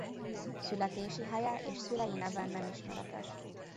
Születési helye és szülei neve nem ismeretes.